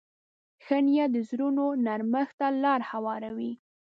ښه نیت د زړونو نرمښت ته لار هواروي.